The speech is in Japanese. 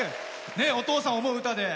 お父さんを思う歌で。